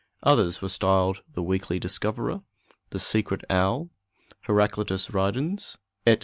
Others were styled the Weekly Discoverer, the Secret Owl, Heraclitus Ridens, etc.